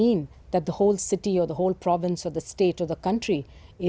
itu tidak berarti bahwa seluruh kota seluruh kota negara atau negara